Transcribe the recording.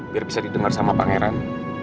biar bisa didengar sama pangeran